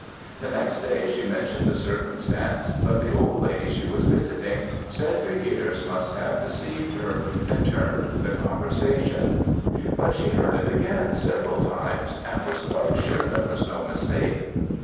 The next day she mentioned the circumstance, but the old lady she was visiting, said her ears must have deceived her, and turned the conversation; but she heard it again several times, and was quite sure there was no mistake.